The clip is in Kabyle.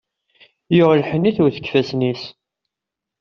Yuɣ lḥenni i tewwet i yifassen-is.